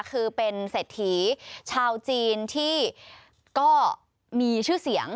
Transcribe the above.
คือเป็นเศรษฐีชาวจีนที่ก็มีชื่อเสียง